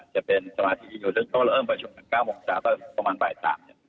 จะเป็นสมาธิอยู่แล้วเริ่มประชุมกัน๙โมงจาตอนประมาณบ่ายตาม